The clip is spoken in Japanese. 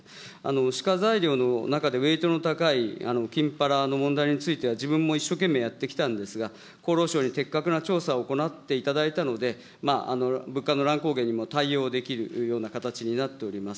歯科材料の中でウエートの高いきんぱらの問題については、自分も一生懸命やってきたんですけれども、厚労省に的確な調査を行っていただいたので、物価の乱高下にも対応できるような形になっております。